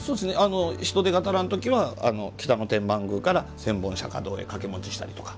人手が足らん時は北野天満宮から千本釈迦堂へ掛け持ちしたりとか。